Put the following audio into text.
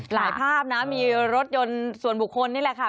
ภาพนะมีรถยนต์ส่วนบุคคลนี่แหละค่ะ